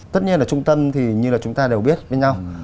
tất nhiên ở trung tâm thì như là chúng ta đều biết với nhau